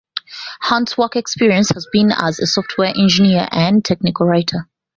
Hunt's work experience has been as a software engineer and technical writer.